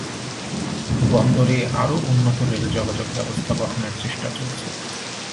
বন্দরে আরও উন্নত রেল যোগাযোগ ব্যবস্থা গঠনের চেষ্টা চলছে।